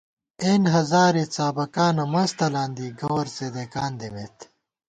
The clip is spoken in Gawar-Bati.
اېن ہزارےڅابَکانہ منز تلان دی ، گوَر څېدېکان دِمېت